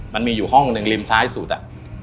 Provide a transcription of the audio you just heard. มันมีอยู่ห้องหนึ่งริมซ้ายสุดอ่ะ